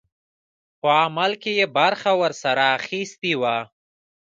په عمل کې یې برخه ورسره اخیستې وه.